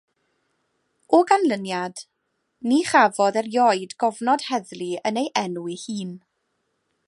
O ganlyniad, ni chafodd erioed gofnod heddlu yn ei enw ei hun.